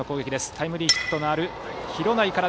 タイムリーヒットのある廣内から。